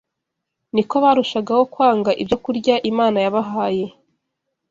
ni ko barushagaho kwanga ibyokurya Imana yabahaye